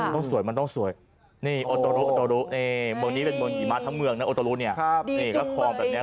ต้องเฟ้ยต้องฝ่ายนี้แย่บริเมืองแล้วมาทั้งเมืองเนี่ยได้ลุ่นนี้คราวนี้